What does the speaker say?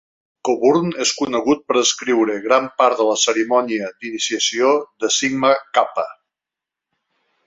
Coburn és conegut per escriure gran part de la cerimònia d'iniciació de Sigma Kappa.